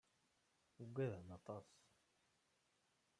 Ugaden aṭas.